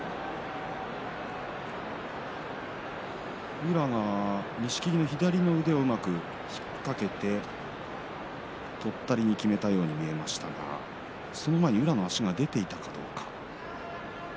宇良が錦木の左の腕をうまく引っ掛けてとったりにきめたように見えましたがその前に宇良の足が出ていたか、どうか。